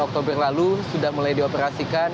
oktober lalu sudah mulai dioperasikan